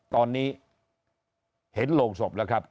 ตอนนี้เห็นโรงศพแล้วครับ